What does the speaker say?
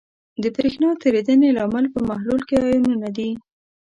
د برېښنا تیریدنې لامل په محلول کې آیونونه دي.